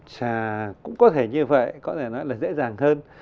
trà cũng có thể như vậy có thể nói là dễ dàng hơn